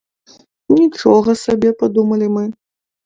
Нічога сабе, падумалі мы.